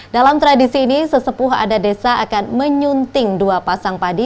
dalam tradisi ini sesepuh ada desa akan menyunting dua pasang padi